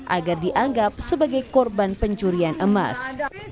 agar dianggap sebagai korban pencurian emas